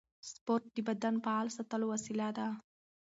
سپورت د بدن فعال ساتلو وسیله ده.